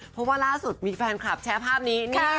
เพราะว่าล่าสุดมีแฟนคลับแชร์ภาพนี้